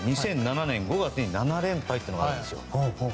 ２００７年５月に７連敗があるんですよ。